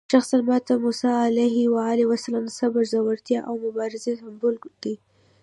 شخصاً ماته موسی علیه السلام د صبر، زړورتیا او مبارزې سمبول دی.